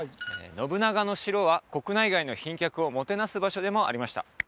信長の城は国内外の賓客をもてなす場所でもありました